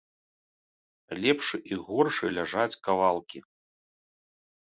Лепшы і горшы ляжаць кавалкі.